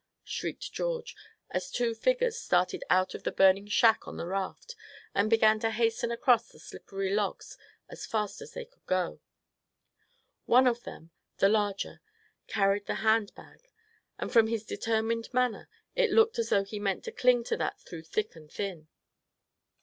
shrieked George, as two figures started out of the burning shack on the raft, and began to hasten across the slippery logs as fast as they could go. One of them, the larger, carried the hand bag; and from his determined manner it looked as though he meant to cling to that through thick and thin.